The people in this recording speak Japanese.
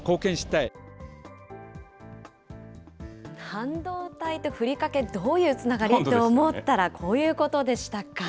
半導体とふりかけ、どういうつながりって思ったら、こういうことでしたか。